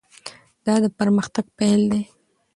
دا د پرمختګ پیل دی.